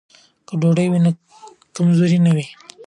که ډوډۍ وي نو کمزوري نه وي.